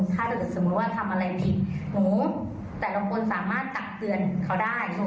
ถ้าเกิดสมมุติว่าทำอะไรผิดหนูแต่ละคนสามารถตักเตือนเขาได้